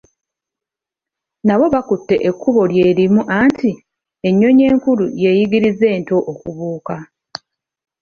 Nabo bakutte ekkubo lye limu anti, "ennyonyi enkulu yeeyiriza ento okubuuka."